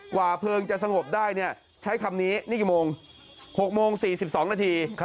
กว่าเพลิงจะสงบได้ใช้คำนี้นี่กี่โมง๖โมง๔๒นาที